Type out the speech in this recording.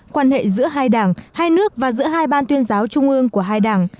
quan hệ giữa hai đảng hai nước và giữa hai ban tuyên giáo trung ương của hai đảng